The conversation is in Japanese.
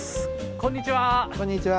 こんにちは。